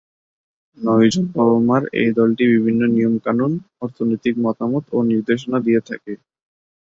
নয়জন বাবা-মার এই দলটি বিভিন্ন নিয়ম-কানুন, অর্থনৈতিক মতামত ও নির্দেশনা দিয়ে থাকে।